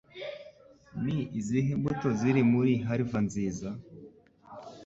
Ni izihe mbuto ziri muri Halva nziza?